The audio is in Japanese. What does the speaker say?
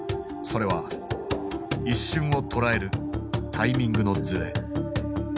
それは一瞬をとらえるタイミングのズレ。